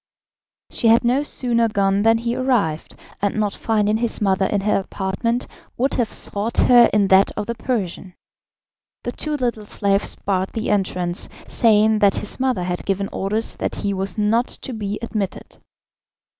She had no sooner gone than he arrived, and not finding his mother in her apartment, would have sought her in that of the Persian. The two little slaves barred the entrance, saying that his mother had given orders that he was not to be admitted.